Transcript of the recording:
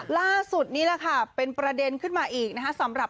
ล่าสุดนี้นะคะเป็นประเด็นขึ้นมาอีกสำหรับ